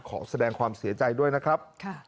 ขอแสดงความเสียใจด้วยนะครับ